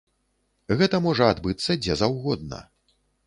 Гэта можа адбыцца дзе заўгодна.